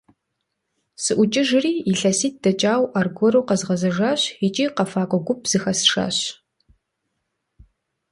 СыӀукӀыжри, илъэситӀ дэкӀауэ аргуэру къэзгъэзэжащ икӀи къэфакӀуэ гуп зэхэсшащ.